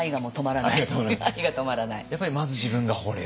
やっぱりまず自分がほれると。